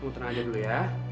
kamu tenang aja dulu ya